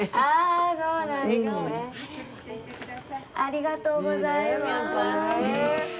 ありがとうございます。